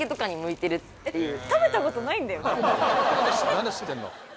なんで知ってんの？